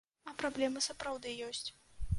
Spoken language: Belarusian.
А праблемы сапраўды ёсць.